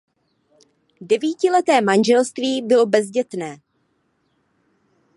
Devítileté manželství bylo bezdětné.